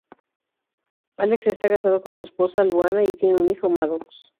Alex está casado con su esposa, Luana, y tiene un hijo, Maddox.